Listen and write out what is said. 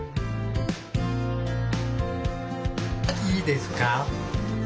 いいですか？